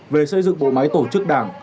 về xây dựng bộ máy tổ chức đảng